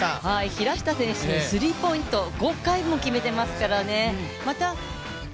平下選手、スリーポイント５回も決めてますからね。